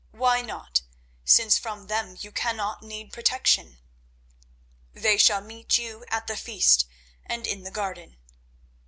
Why not, since from them you cannot need protection? They shall meet you at the feast and in the garden.